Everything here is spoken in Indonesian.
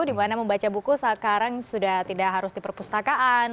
dimana membaca buku sekarang sudah tidak harus di perpustakaan